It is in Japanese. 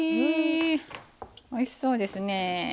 おいしそうですね。